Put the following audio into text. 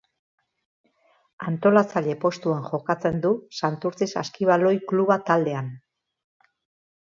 Antolatzaile postuan jokatzen du Santurtzi Saskibaloi Kluba taldean.